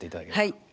はい！